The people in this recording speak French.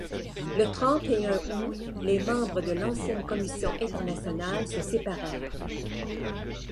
Le trente et un août, les membres de l’ancienne commission internationale se séparèrent.